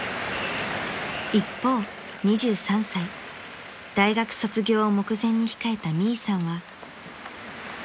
［一方２３歳大学卒業を目前に控えたミイさんは］